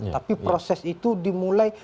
tapi proses itu dimulai